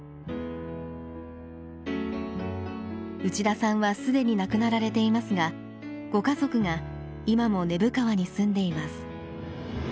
内田さんは既に亡くなられていますがご家族が今も根府川に住んでいます。